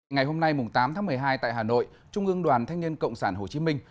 ngày hôm nay tám tháng một mươi hai tại hà nội trung ương đoàn thanh niên cộng sản hồ chí minh